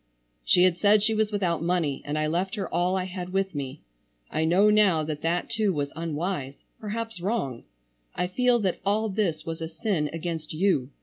She had said she was without money, and I left her all I had with me. I know now that that too was unwise,—perhaps wrong. I feel that all this was a sin against you.